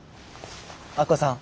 亜子さん。